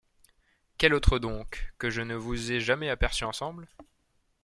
Quelle autre donc, que je ne vous ai jamais aperçus ensemble?